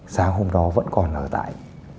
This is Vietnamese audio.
sáng hôm đó vẫn còn ở tại